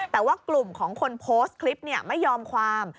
แต่ว่ากลุ่มของคนโพสต์คลิปไม่ยอมความ